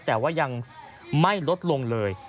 แต่ว่ายังไม่ลดลงเลย